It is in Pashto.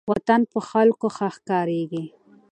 وطن په خلکو ښه ښکاریږي.